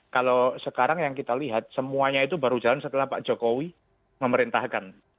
kalau sekarang yang kita lihat semuanya itu baru jalan setelah pak jokowi memerintahkan